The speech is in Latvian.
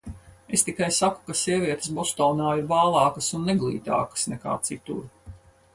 Es tikai saku, ka sievietes Bostonā ir bālākas un neglītākas nekā citur.